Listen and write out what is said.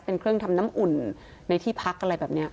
เป็นเครื่องทำน้ำอุ่นในที่พักอะไรแบบนี้